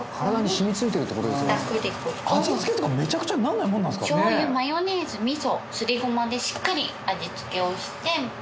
しょう油マヨネーズ味噌すりごまでしっかり味付けをして。